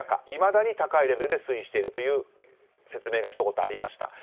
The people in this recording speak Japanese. いまだに高いレベルで推移しているという説明がありました。